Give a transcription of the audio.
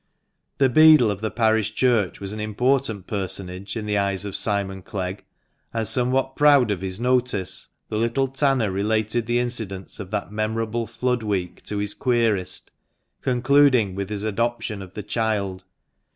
The beadle of the parish church was an important personage in the eyes of Simon Clegg ; and, somewhat proud of his notice, the little tanner related the incidents of that memorable flood week to his querist, concluding with his adoption of the child.